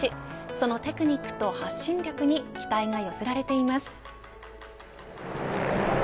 そのテクニックと発信力に期待が寄せられています。